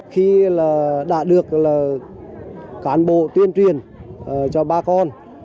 khi là đã được là cán bộ tuyên truyền cho bà con